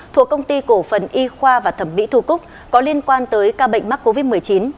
thuộc công ty cổ phần y khoa và thẩm mỹ thu cúc có liên quan tới ca bệnh mắc covid một mươi chín